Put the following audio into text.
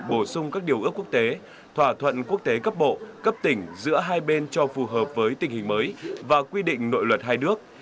bổ sung các điều ước quốc tế thỏa thuận quốc tế cấp bộ cấp tỉnh giữa hai bên cho phù hợp với tình hình mới và quy định nội luật hai nước